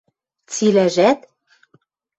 — Цилӓжӓт?